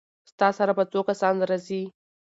ستا سره به څو کسان راځي؟